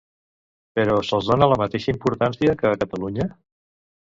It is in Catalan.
Però se'ls dona la mateixa importància que a Catalunya?